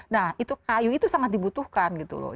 nah itu kayu itu sangat dibutuhkan gitu loh